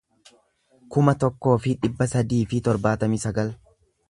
kuma tokkoo fi dhibba sadii fi torbaatamii sagal